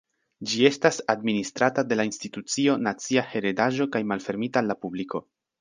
Ĝi estas administrata de la Institucio Nacia Heredaĵo kaj malfermita al la publiko.